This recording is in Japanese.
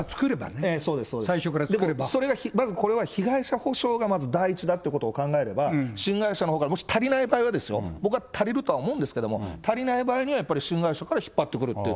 そうですそうです、それがまずこれは被害者補償がまず第一だということを考えれば、新会社のほうから、もし足りない場合はですよ、僕は足りるとは思うんですけれども、足りない場合には、やっぱり新会社から引っ張ってくるという。